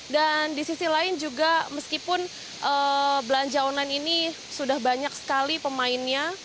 dan di sisi lain juga meskipun belanja online ini sudah banyak sekali pemainnya